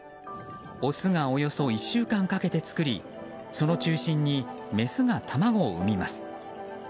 オスがおよそ１週間かけて作りその中心にメスが卵を産みます。